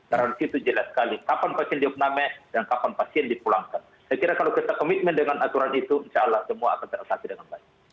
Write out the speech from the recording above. karena disitu jelas sekali kapan pasien diopname dan kapan pasien dipulangkan saya kira kalau kita komitmen dengan aturan itu insya allah semua akan teraksasi dengan baik